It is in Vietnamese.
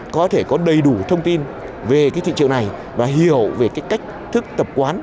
có thể có đầy đủ thông tin về thị trường này và hiểu về cách thức tập quán